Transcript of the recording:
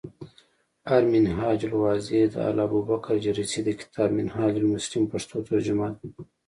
المنهاج الواضح، د الابوبکرالجريسي د کتاب “منهاج المسلم ” پښتو ترجمه ده ۔